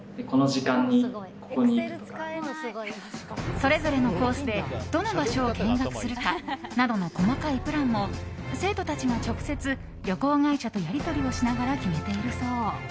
それぞれのコースでどの場所を見学するかなどの細かいプランも生徒たちが直接、旅行会社とやり取りをしながら決めているそう。